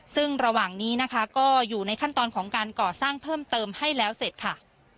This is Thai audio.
ซึ่งระหว่างนี้นะคะก็อยู่ในขั้นตอนของการก่อสร้างเพิ่มเติมให้แล้วเสร็จค่ะ